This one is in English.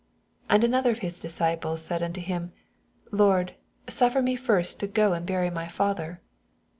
21 And another of his disciples said unto him, Lord, suffer me first to go and bray my father.